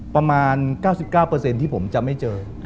ประมาณ๙๙ที่ผมจะไม่เจอ